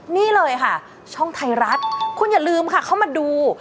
นี่เลยค่ะช่องไทยรัฐคุณอย่าลืมค่ะเข้ามาดู